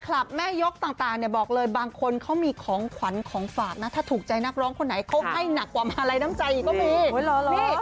แม่ยกต่างเนี่ยบอกเลยบางคนเขามีของขวัญของฝากนะถ้าถูกใจนักร้องคนไหนเขาให้หนักกว่ามาลัยน้ำใจอีกก็มี